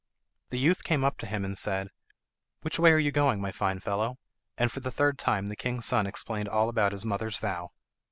The youth came up to him and said, "Which way are you going, my fine fellow?" And for the third time the king's son explained all about his mother's vow.